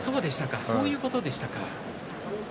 そういうことでしたか。